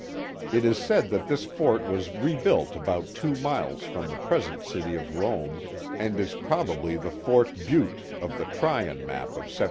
It is said that this fort was rebuilt about two miles from the present city of Rome and is probably the Fort Bute of the Tryon map of 1779.